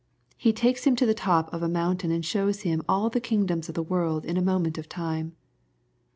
He takes Him to the top of a mountain and shows Him ^^ all the kingdoms of the world in a moment of time."